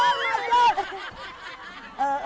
โอ้โห